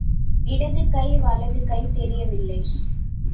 இடது கை வலது கை தெரியவில்லை.